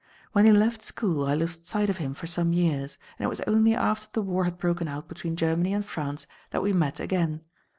When he left school I lost sight of him for some years, and it was only after the war had broken out between Germany and France that we met again.